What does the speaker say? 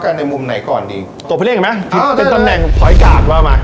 ในมุมไหนก่อนดีตัวเพลงเห็นไหมอ้าวได้แล้วเป็นตำแหน่ง